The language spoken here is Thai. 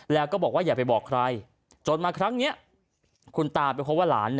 แล้วก็บอกว่าอย่าไปบอกใครจนมาครั้งนี้คุณตาไปพบว่าหลาน